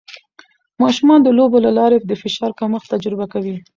ماشومان د لوبو له لارې د فشار کمښت تجربه کوي.